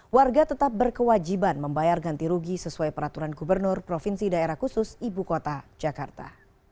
warga tetap berkewajiban membayar ganti rugi sesuai peraturan gubernur provinsi daerah khusus ibu kota jakarta